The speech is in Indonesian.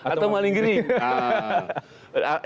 atau maling jering